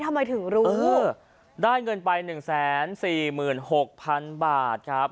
ทำไมถึงรู้เออได้เงินไปหนึ่งแสนสี่หมื่นหกพันบาทครับ